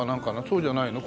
そうじゃないの？